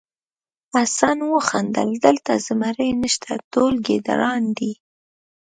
حسن وخندل دلته زمری نشته ټول ګیدړان دي.